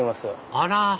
あら！